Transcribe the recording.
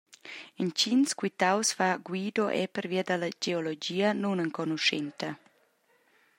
Entgins quitaus fa Guido era pervia dalla geologia nunenconuschenta.